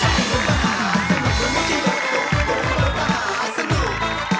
มันไม่ใช่รถตุ๊กตุ๊กมันรถประหาสนุก